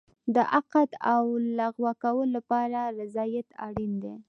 د عقد او لغوه کولو لپاره رضایت اړین دی.